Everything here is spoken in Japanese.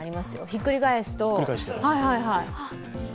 ひっくり返すと。